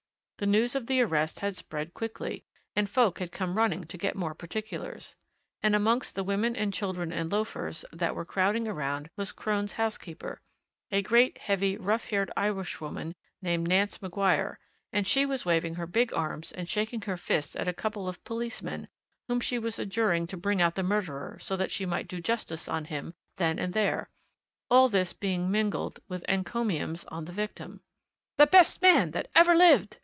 The news of the arrest had spread quickly, and folk had come running to get more particulars. And amongst the women and children and loafers that were crowding around was Crone's housekeeper, a great, heavy, rough haired Irishwoman called Nance Maguire, and she was waving her big arms and shaking her fists at a couple of policemen, whom she was adjuring to bring out the murderer, so that she might do justice on him then and there all this being mingled with encomiums on the victim. "The best man that ever lived!"